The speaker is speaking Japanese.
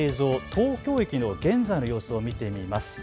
東京駅の現在の様子を見てみます。